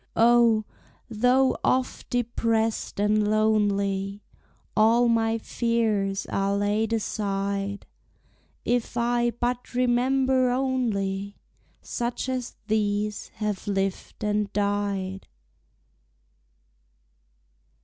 O, though oft depressed and lonely, All my fears are laid aside If I but remember only Such as these have lived and died!